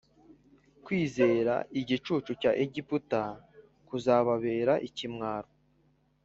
kwiringira igicucu cya Egiputa kuzababera ikimwaro